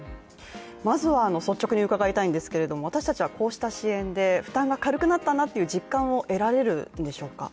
まずは、率直に伺いたいんですけども、私たちはこうした支援で負担が軽くなったなという実感を得られるんでしょうか？